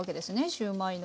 シューマイの。